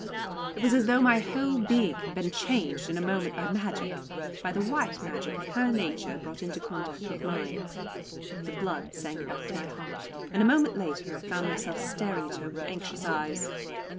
It was as though my whole being had been changed in a moment by magic by the white magic of her nature brought into contact with mine. The blood sank back to my heart, and a moment later I found myself staring at her with anxious eyes.